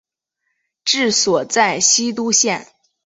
治所在西都县。